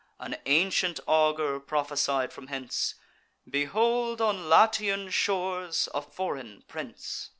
An ancient augur prophesied from hence: "Behold on Latian shores a foreign prince!